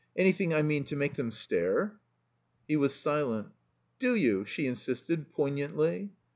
Anything, I mean, to make them stare?" He was silent. "Z?a you?" she insisted, poignantly.